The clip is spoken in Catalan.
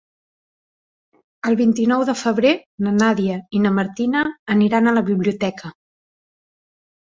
El vint-i-nou de febrer na Nàdia i na Martina aniran a la biblioteca.